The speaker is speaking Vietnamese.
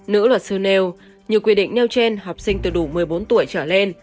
nữ luật sư nêu nhiều quy định nêu trên học sinh từ đủ một mươi bốn tuổi trở lên